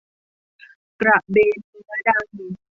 กระเบนเนื้อดำ